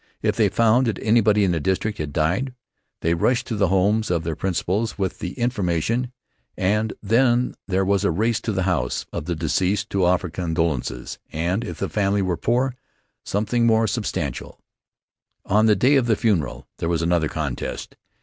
If they found that anybody in the district had died, they rushed to the homes of their principals with the information and then there was a race to the house of the deceased to offer condolences, and, if the family were poor, something more substantial. On the day of the funeral there was another contest.